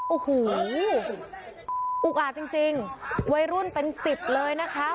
อุ๊คอ่าจริงวัยรุ่นเป็น๑๐เลยนะคะ